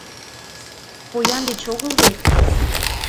Поян деч огыл вет?